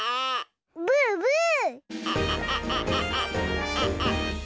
ブーブー。